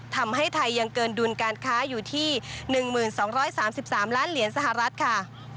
ทำให้ไทยยังเกินดุลการค้าอยู่ที่๑๒๓๓ล้านเหรียญสหรัฐค่ะ